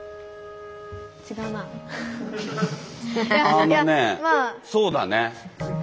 あのねそうだね。